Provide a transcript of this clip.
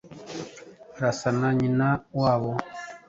Arasa na nyina wabo.